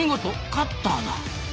カッターだ。